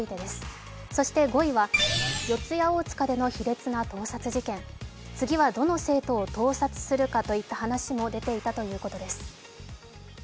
そして５位は四谷大塚での卑劣な盗撮事件、次はどの生徒を盗撮するかといった話も出ていたということです。